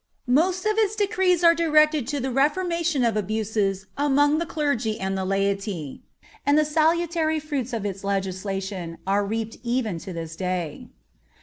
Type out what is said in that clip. Most of its decrees are directed to the reformation of abuses among the clergy and the laity, and the salutary fruits of its legislation are reaped even to this day.